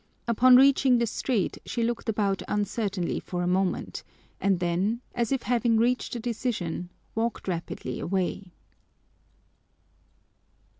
Upon reaching the street she looked about uncertainly for a moment and then, as if having reached a decision, walked rapidly away.